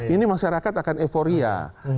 ini masyarakat akan euphoria